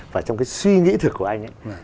và trong cái suy nghĩ thực của anh ấy